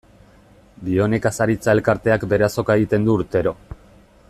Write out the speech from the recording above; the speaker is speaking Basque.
Bionekazaritza elkarteak bere azoka egiten du urtero.